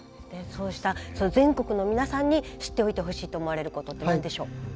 そうした全国の皆さんに知っておいてほしいと思われることって何でしょう。